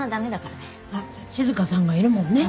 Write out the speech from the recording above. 静さんがいるもんね。